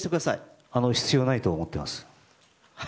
必要はないと思っています。